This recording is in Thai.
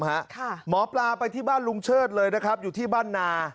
หมอปลาไปที่บ้านลุงเชิดเลยนะครับอยู่ที่บ้านนา